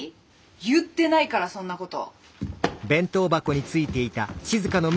言ってないからそんなこと。